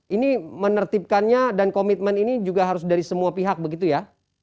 ini menertibkannya dan komitmen ini juga harus dari semua pihak begitu ya